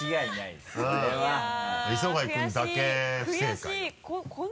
磯貝君だけ不正解よ。